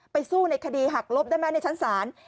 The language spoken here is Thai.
สู้ในคดีหักลบได้ไหมในชั้นศาล